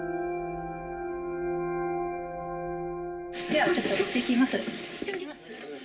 ではちょっといってきます。